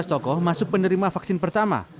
tujuh belas tokoh masuk penerima vaksin pertama